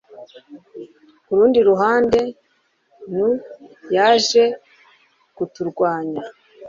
Ku rundi ruhande Nui yaje kuturwanya